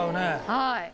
はい。